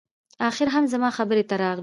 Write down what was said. اخیر هم زما خبرې ته راغلې